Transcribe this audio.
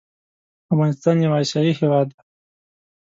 افغانستان يو اسياى هيواد دى